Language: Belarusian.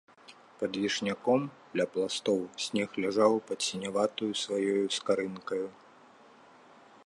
Пад вішняком ля пластоў снег ляжаў пад сіняватаю сваёю скарынкаю.